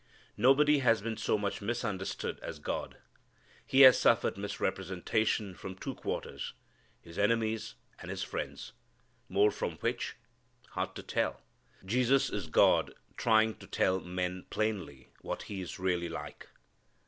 Nobody has been so much misunderstood as God. He has suffered misrepresentation from two quarters: His enemies and His friends. More from which? Hard to tell. Jesus is God trying to tell men plainly what He is really like.